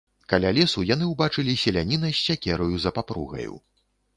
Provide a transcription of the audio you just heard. Каля лесу яны ўбачылі селяніна з сякераю за папругаю.